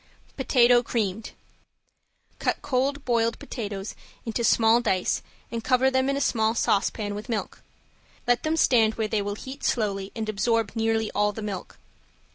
~POTATO CREAMED~ Cut cold boiled potatoes into small dice and cover them in a small saucepan with milk. Let them stand where they will heat slowly and absorb nearly all the milk.